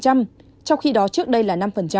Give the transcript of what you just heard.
trong khi đó trước đây là năm